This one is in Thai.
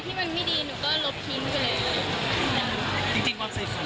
รู้จักตอนที่มาทำงาน